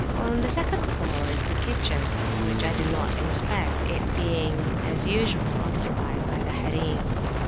On the second floor is the kitchen, which I did not inspect, it being as usual occupied by the "Harim."